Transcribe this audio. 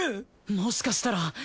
もしかしたら！